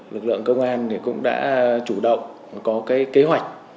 lực lượng công an cũng đã chủ động có kế hoạch